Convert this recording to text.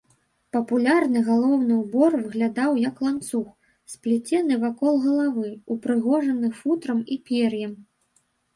Папулярны галаўны ўбор выглядаў як ланцуг, сплецены вакол галавы, упрыгожаны футрам і пер'ем.